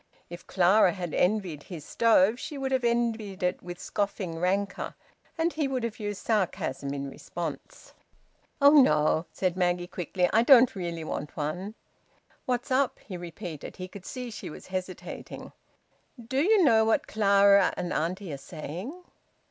If Clara had envied his stove, she would have envied it with scoffing rancour, and he would have used sarcasm in response. "Oh no!" said Maggie quickly. "I don't really want one." "What's up?" he repeated. He could see she was hesitating. "Do you know what Clara and auntie are saying?"